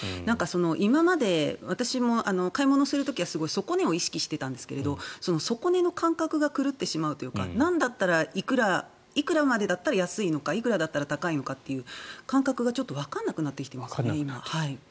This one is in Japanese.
今まで私も買い物する時は底値を意識していたんですが底値の感覚が狂ってしまうということがなんだったらいくらまでだったら安いのかいくらだったら高いのかという感覚がわからなくなってきてますね。